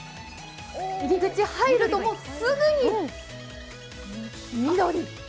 入り口入ると、もうすぐに緑！